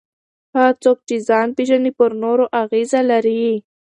هغه څوک چې ځان پېژني پر نورو اغېزه لري.